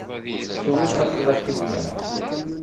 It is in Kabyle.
Ccwi faqeɣ-as i winna.